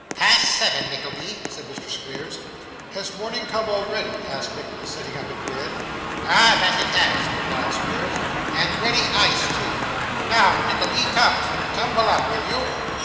'Past seven, Nickleby,' said Mr. Squeers. 'Has morning come already?' asked Nicholas, sitting up in bed. 'Ah! that has it,' replied Squeers, 'and ready iced too. Now, Nickleby, come; tumble up, will you?